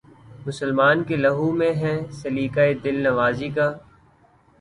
مسلماں کے لہو میں ہے سلیقہ دل نوازی کا